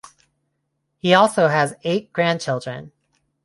He also has eight grandchildren.